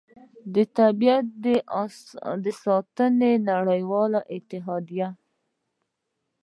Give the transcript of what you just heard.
د طبیعت د ساتنې نړیوالې اتحادیې